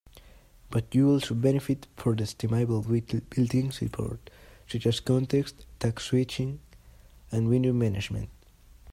But you also benefit from the estimable built-in support such as contexts, task switching, and window management.